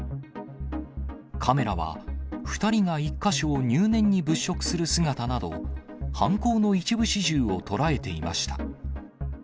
カメラは、２人が１か所を入念に物色する姿など、犯行の一部始終を捉えていました。